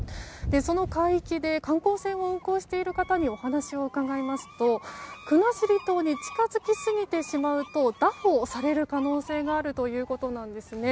その海域で観光船を運航している方にお話を伺いますと国後島に近づきすぎると拿捕される可能性があるということなんですね。